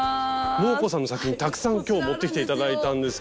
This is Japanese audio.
モー子さんの作品たくさん今日持ってきて頂いたんですけど。